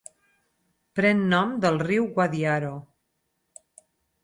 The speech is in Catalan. Pren nom del riu Guadiaro.